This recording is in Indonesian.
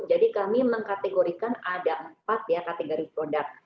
jadi kami mengkategorikan ada empat ya kategori produk